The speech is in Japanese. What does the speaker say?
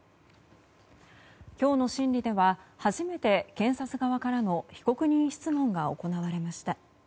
今日の審理では初めて検察側からの被告人質問が行われました。